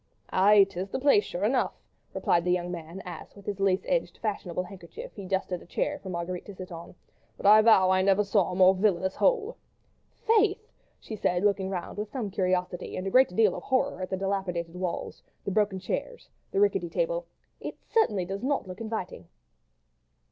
"Aye! 'tis the place, sure enough," replied the young man as, with his lace edged, fashionable handkerchief, he dusted a chair for Marguerite to sit on; "but I vow I never saw a more villainous hole." "Faith!" she said, looking round with some curiosity and a great deal of horror at the dilapidated walls, the broken chairs, the rickety table, "it certainly does not look inviting."